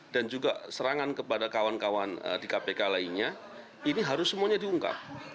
dan juga serangan kepada kawan kawan di kpk lainnya ini harus semuanya diungkap